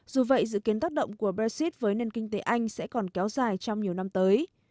dù vậy dự kiến tác động của brexit với nền kinh tế anh sẽ còn kéo dài trong nhiều năm tới